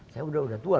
saya udah tua